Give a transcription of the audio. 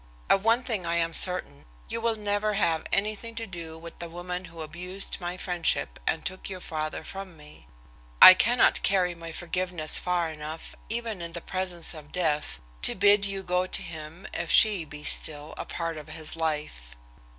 "Of one thing I am certain, you will never have anything to do with the woman who abused my friendship and took your father from me. I cannot carry my forgiveness far enough, even in the presence of death, to bid you go to him if she be still a part of his life.